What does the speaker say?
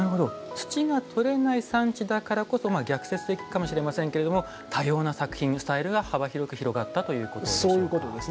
土が取れない産地だからこそまあ逆説的かもしれませんけれども多様な作品のスタイルが幅広く広がったということでしょうか。